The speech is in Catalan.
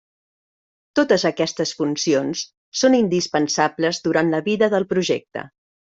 Totes aquestes funcions són indispensables durant la vida del projecte.